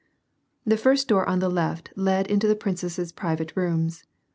• The first door on the left led into the princesses' private rooms.